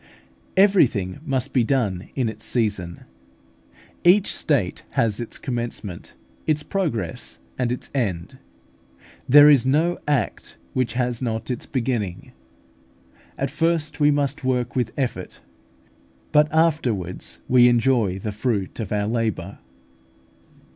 Everything must be done in its season; each state has its commencement, its progress, and its end. There is no act which has not its beginning. At first we must work with effort, but afterwards we enjoy the fruit of our labour.